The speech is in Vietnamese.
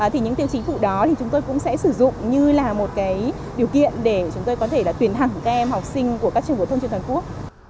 thì những tiêu chí phụ đó thì chúng tôi cũng sẽ sử dụng như là một điều kiện để chúng tôi có thể là tuyển thẳng kem học sinh của các trường bổ thông trên toàn quốc